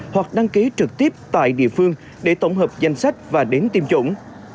hoặc đăng ký trực tiếp tại địa phương để tổng hợp danh sách và đến tiêm chủng